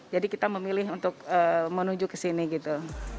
jadi kita memilih untuk menuju ke sini gitu